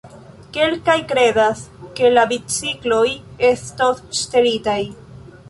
Kelkaj kredas, ke la bicikloj estos ŝtelitaj.